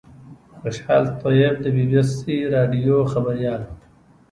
خوشحال طیب د بي بي سي راډیو خبریال و.